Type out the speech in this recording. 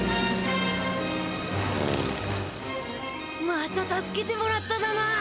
また助けてもらっただな。